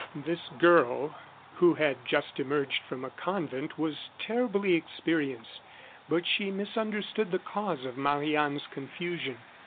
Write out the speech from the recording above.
This girl who had just emerged from a convent was terribly experienced; but she misunderstood the cause of Marie Anne's confusion.